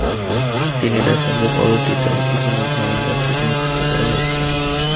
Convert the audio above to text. তিনি দেখেন যে, পদটিতে ইতোমধ্যেই অন্য ব্যক্তিকে নিযুক্ত করা হয়েছে।